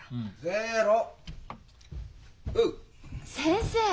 先生！